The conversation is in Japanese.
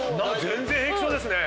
全然平気そうですね！